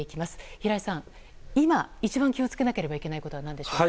平井さん、今一番気を付けなければいけないことは何でしょうか？